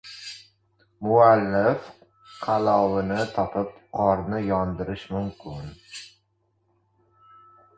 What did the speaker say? Muallif qalovini topib qorni yondirish mumkin.